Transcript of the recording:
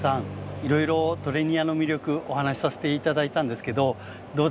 いろいろトレニアの魅力お話しさせて頂いたんですけどどうでしたか？